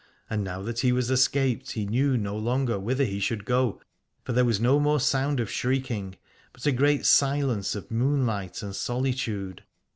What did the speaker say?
And now that he was escaped he knew no longer whither he should go, for there was no more sound of shrieking, but a great silence of moonlight and solitude.